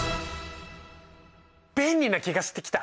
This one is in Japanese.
便利な気がしてきた。